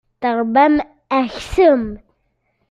Tṛebbam aksum.